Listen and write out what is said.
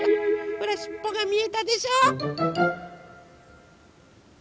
ほらしっぽがみえたでしょ？